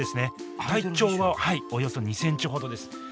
体長はおよそ２ｃｍほどです。